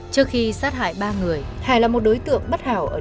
trước khi sát hại ba người hải là một đối tượng bất hảo ở địa phương